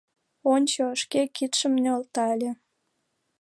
Ончо! — шке кидшым нӧлтале.